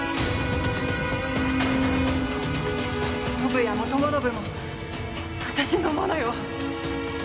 宣也も友宣も私のものよ。